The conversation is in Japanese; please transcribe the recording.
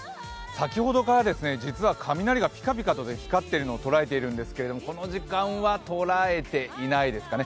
先ほどから実は雷がぴかぴかと光っているのを捉えているんですけれども、この時間は捉えていないですかね。